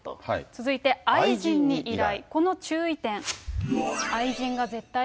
続いて、愛人に依頼、この注意点。